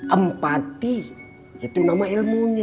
empati itu nama ilmunya